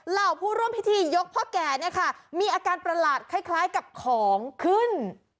เหล่าผู้ร่วมพิธียกพ่อแกมีอาการประหลาดคล้ายกับของขึ้น